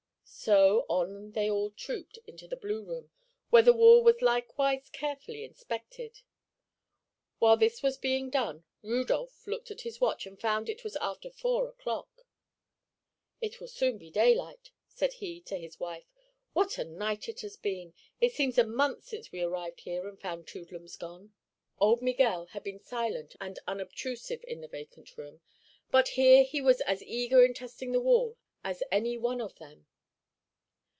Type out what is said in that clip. So on they all trooped into the blue room, where the wall was likewise carefully inspected. While this was being done Rudolph looked at his watch and found it was after four o'clock. "It will soon be daylight," said he to his wife. "What a night it has been! It seems a month since we arrived here and found Toodlums gone." Old Miguel had been silent and unobtrusive in the vacant room, but here he was as eager in testing the wall as any one of them.